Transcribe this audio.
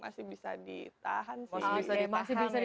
masih bisa ditahan ya